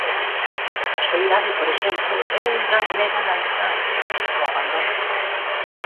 A soidade, por exemplo, é o gran medo da infancia: o abandono.